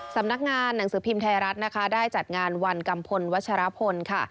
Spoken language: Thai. สำนักงานหนังสือพิมพ์ไทยรัฐนะคะได้จัดงานวันกัมพลวัชรพลค่ะ